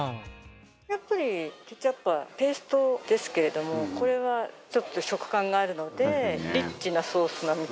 やっぱりケチャップはペーストですけれどもこれはちょっと食感があるので。